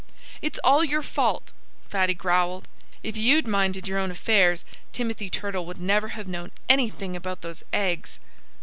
"It's all your fault," Fatty growled. "If you'd minded your own affairs Timothy Turtle would never have known anything about those eggs."